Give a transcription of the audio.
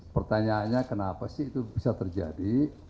pertanyaannya kenapa sih itu bisa terjadi